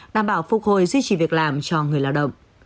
đảm bảo phục hồi duy trì việc làm cho người lao động